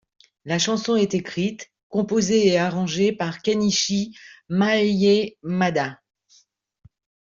La chanson est écrite, composée et arrangée par Kenichi Maeyamada.